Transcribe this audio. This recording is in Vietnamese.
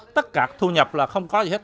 thu nhập là không có gì hết